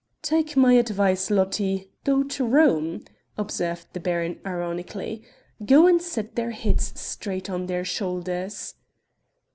"Take my advice, Lotti, go to Rome," observed the baron ironically; "go and set their heads straight on their shoulders."